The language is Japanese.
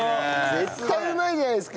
絶対うまいじゃないですか！